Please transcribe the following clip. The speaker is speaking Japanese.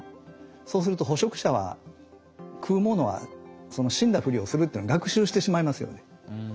そうすると捕食者は食うものはその死んだふりをするっていうのを学習してしまいますよね。